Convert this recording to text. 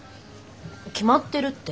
「決まってる」って？